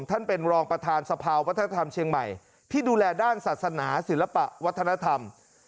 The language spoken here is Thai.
ท่านเป็นรองประธานสภาวัฒนธรรมเชียงใหม่ที่ดูแลด้านศาสนาศิลปะวัฒนธรรม